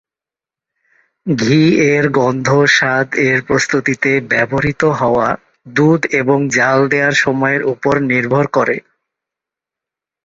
ঘি এর গন্ধ-স্বাদ এর প্রস্তুতিতে ব্যবহৃত হওয়া দুধ এবং জ্বাল দেয়ার সময়ের ওপর নির্ভর করে।